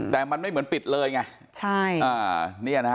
แต่มันไม่เหมือนปิดเลยไงใช่